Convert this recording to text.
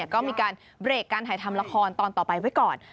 ก็มีการเบรกการถ่ายทำละครตอนต่อไปไว้ก่อน